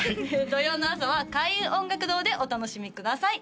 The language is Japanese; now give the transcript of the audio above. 土曜の朝は開運音楽堂でお楽しみください